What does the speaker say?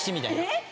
えっ！？